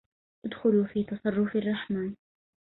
ادخلو في تصرف الرحمان